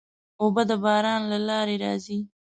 اوبه د باران له لارې راځي.